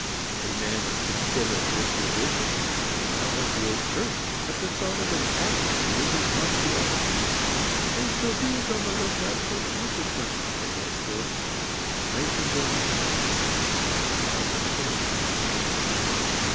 A man of considerate disposition now feels hurt at the thought of an act bringing harm to others, and so he is on the lookout for consequences of that sort, ranking them as of high importance.